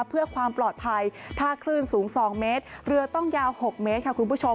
เพื่อความปลอดภัยถ้าคลื่นสูง๒เมตรเรือต้องยาว๖เมตรค่ะคุณผู้ชม